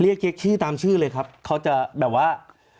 เรียกเช็คชื่อตามชื่อเลยครับเขาจะแบบว่า